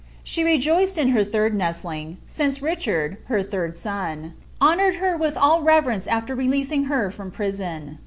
She rejoiced in her third nestling, since Richard, bir third Bon, honoured her with all reverence after re1ea.sing ber htm prison."